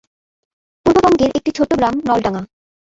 পূর্ববঙ্গের একটি ছোট্ট গ্রাম নলডাঙ্গা।